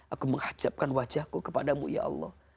aku menghacapkan wajahku kepada mu ya allah